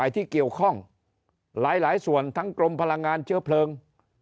ที่เกี่ยวข้องหลายส่วนทั้งกรมพลังงานเชื้อเพลิง